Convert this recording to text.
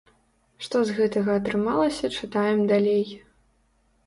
Што з гэтага атрымалася, чытаем далей.